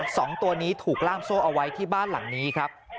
สองตัวนี้ถูกล่ามโซ่เอาไว้ที่บ้านหลังนี้ครับ